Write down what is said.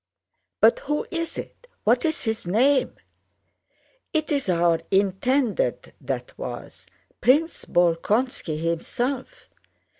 "But who is it? What's his name?" "It's our intended that was—Prince Bolkónski himself!